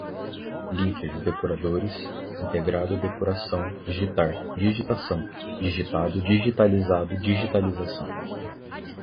linkers, depuradores, integrado, depuração, digitar, digitação, digitado, digitalizado, digitalização